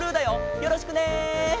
よろしくね！